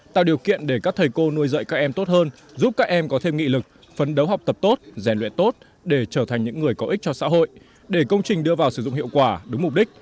tạo điều kiện để các thầy cô nuôi dạy các em tốt hơn giúp các em có thêm nghị lực phấn đấu học tập tốt rèn luyện tốt